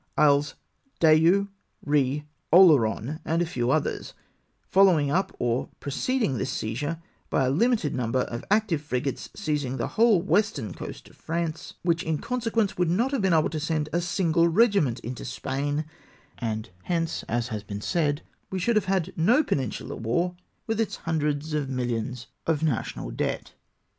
Isles Dieu, Ehe, Oleron, and a few others ; following up or preceding this seizure by a limited number of active frigates harassing the whole western coast of France, which, in consequence, would not have been able to send a single regiment into Spain, and hence, as has been said, we should have had no Peninsular war with its hundreds of milhons of 336 REPROACHED FOR SERVICE. national debt.